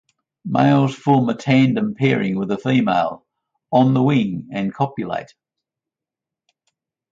Males form a tandem pairing with a female on the wing and copulate.